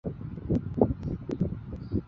陈氏家庙的历史年代为清代雍正年间。